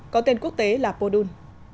có tên quốc tế là podun